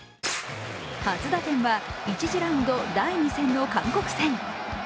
初打点は１次ラウンド、第２戦の韓国戦。